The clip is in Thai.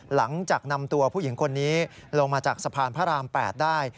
หลังจากนำตัวผู้หญิงคนนี้ลงมาจากสะพานพระราม๘ได้